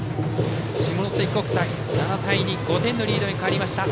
下関国際、７対２５点のリードに変わりました。